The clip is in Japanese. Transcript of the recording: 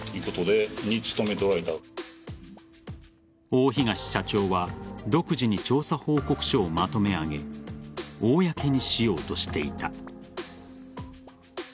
大東社長は独自に調査報告書をまとめ上げ公にしようとしていた。